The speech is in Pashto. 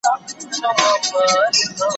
دوی چي ول باغ به وچ وي